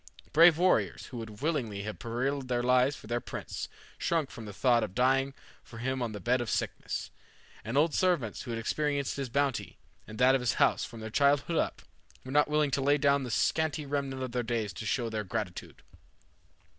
Brave warriors, who would willingly have perilled their lives for their prince, shrunk from the thought of dying for him on the bed of sickness; and old servants who had experienced his bounty and that of his house from their childhood up, were not willing to lay down the scanty remnant of their days to show their gratitude.